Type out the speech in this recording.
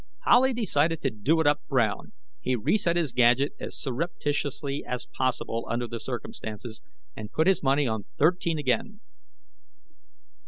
Howley decided to do it up brown. He reset his gadget as surreptitiously as possible under the circumstances, and put his money on thirteen again.